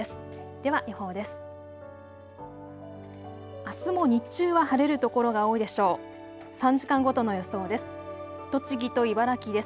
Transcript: では予報です。